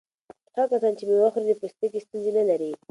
هغه کسان چې مېوه خوري د پوستکي ستونزې نه لري.